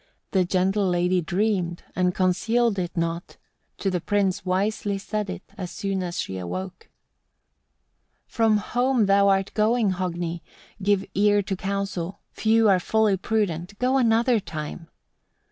The gentle lady dreamed, and concealed it not, to the prince wisely said it as soon as she awoke. 11. "From home thou art going, Hogni! give ear to counsel; few are fully prudent: go another time. 12.